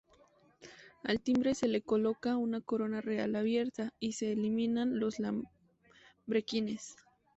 Al timbre se coloca una corona real abierta, y se eliminan los lambrequines.